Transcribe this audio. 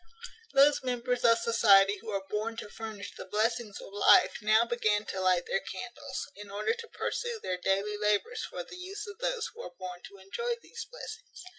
Those members of society who are born to furnish the blessings of life now began to light their candles, in order to pursue their daily labours for the use of those who are born to enjoy these blessings.